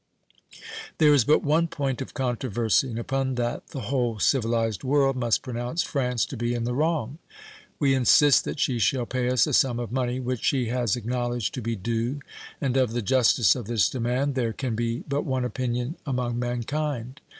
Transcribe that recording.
There is but one point of controversy, and upon that the whole civilized world must pronounce France to be in the wrong. We insist that she shall pay us a sum of money which she has acknowledged to be due, and of the justice of this demand there can be but one opinion among mankind.